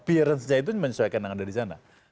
appearance aja itu menyesuaikan dengan dari sana